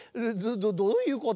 どういうこと？